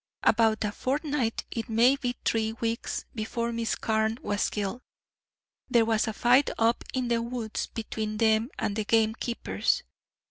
About a fortnight it may be three weeks before Miss Carne was killed, there was a fight up in the woods between them and the gamekeepers.